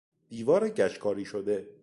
دیوار گچ کاری شده